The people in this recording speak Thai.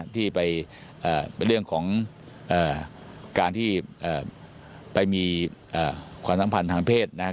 ที่ไปเป็นเรื่องของการที่ไปมีความสัมพันธ์ทางเพศนะครับ